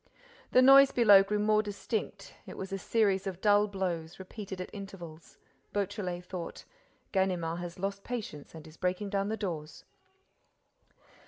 The noise below grew more distinct. It was a series of dull blows, repeated at intervals. Beautrelet thought: "Ganimard has lost patience and is breaking down the doors."